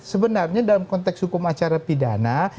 sebenarnya dalam konteks hukum acara pidana